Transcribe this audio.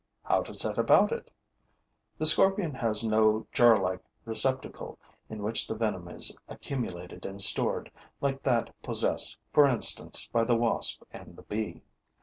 How to set about it? The scorpion has no jarlike receptacle in which the venom is accumulated and stored, like that possessed, for instance, by the wasp and the bee.